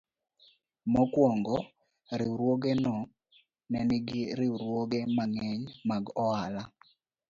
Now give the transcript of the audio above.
Mokwongo, riwruogno ne nigi riwruoge mang'eny mag ohala.